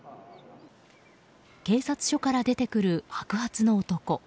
警察署から出てくる白髪の男。